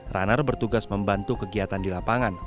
runner bertugas membantu kegiatan di lapangan